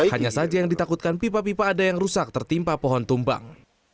hanya saja yang ditakutkan pipa pipa ada yang rusak tertimpa pohon tumbang